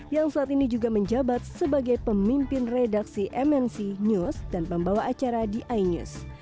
yang saat ini juga menjabat sebagai pemimpin redaksi mnc news dan pembawa acara di inews